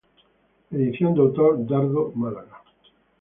Edición de autor, Dardo, Málaga.